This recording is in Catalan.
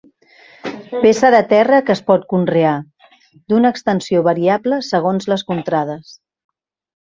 Peça de terra que es pot conrear, d'una extensió variable segons les contrades.